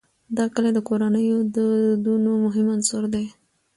دا کلي د کورنیو د دودونو مهم عنصر دی.